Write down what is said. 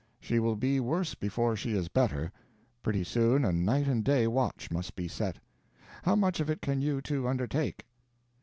She will be worse before she is better. Pretty soon a night and day watch must be set. How much of it can you two undertake?"